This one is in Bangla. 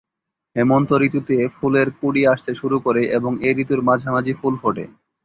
হেমন্ত ঋতুতে ফুলের কুঁড়ি আসতে শুরু করে এবং এ ঋতুর মাঝামাঝি ফুল ফোটে।